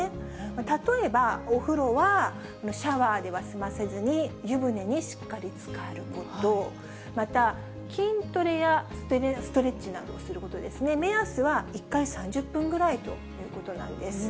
例えば、お風呂はシャワーでは済ませずに、湯船にしっかりつかること、また、筋トレやストレッチなどをすることですね、目安は１回３０分ぐらいということなんです。